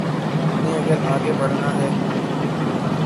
ہمیں اگر آگے بڑھنا ہے۔